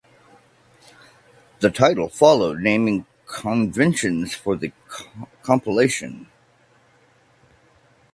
The title followed naming conventions for the "Compilation".